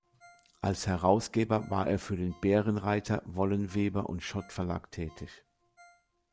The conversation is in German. Als Herausgeber war er für den Bärenreiter-, Wollenweber- und Schott-Verlag tätig.